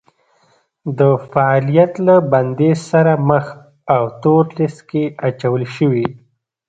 د فعالیت له بندیز سره مخ او تور لیست کې اچول شوي